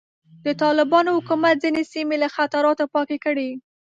د طالبانو حکومت ځینې سیمې له خطراتو پاکې کړې.